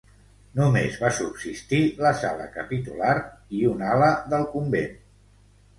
Només va subsistir la sala capitular i un ala del convent.